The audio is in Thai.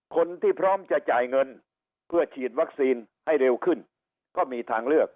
คนที่พร้อมจะจ่ายเงินเพื่อฉีดวัคซีนให้เร็วขึ้นก็มีทางเลือก